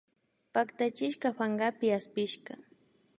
Pactachishka pankapi aspishka